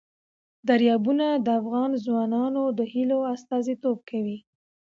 دریابونه د افغان ځوانانو د هیلو استازیتوب کوي.